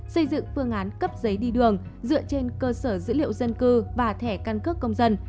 xây dựng phương án cấp giấy đi đường dựa trên cơ sở dữ liệu dân cư và thẻ căn cước công dân